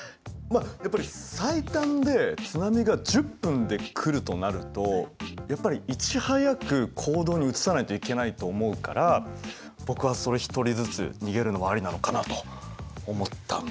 やっぱり最短で津波が１０分で来るとなるとやっぱりいち早く行動に移さないといけないと思うから僕は１人ずつ逃げるのもありなのかなと思ったんだけどね。